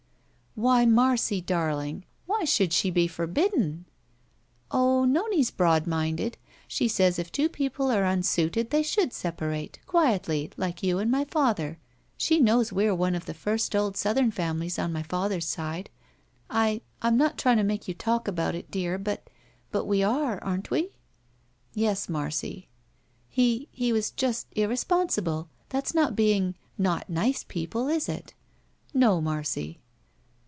"Why, Marcy darling, why should she be for bidden?" "Oh, Nome's broadminded. She says if two people are unsuited they should separate, quietly, like you and my father. She knows we're one of the first old Southern families on my father's side. I — ^I'm not faying to make you talk about it, dear, but — ^but we are — aren't we?" "Yes, Marcy." IS4 THE SMUDGE "He — ^he was just — irresponsible. That's not being — ^not nice people, is it?" "No, Marcy."